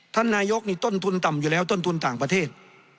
ท่านนายกนี่ต้นทุนต่ำอยู่แล้วต้นทุนต่างประเทศ